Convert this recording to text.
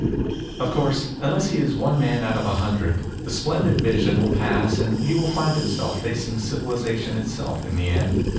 Of course, unless he is one man out of a hundred, the splendid vision will pass and he will find himself facing civilization itself in the end.